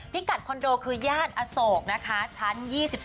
กัดคอนโดคือย่านอโศกนะคะชั้น๒๓